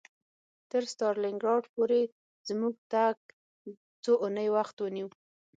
تر ستالینګراډ ښار پورې زموږ تګ څو اونۍ وخت ونیو